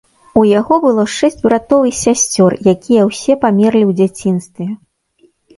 У яго было шэсць братоў і сясцёр, якія ўсе памерлі ў дзяцінстве.